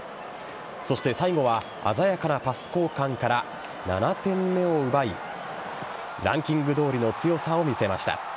そして最後は鮮やかなパス交換から７点目を奪いランキングどおりの強さを見せました。